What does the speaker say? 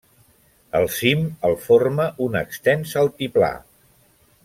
El cim el forma un extens altiplà.